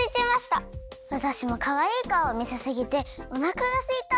わたしもかわいいかおをみせすぎておなかがすいた！